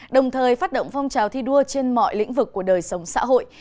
đồng thời phát động phong trào thi đua trên mọi lĩnh vực của đời sống xã hội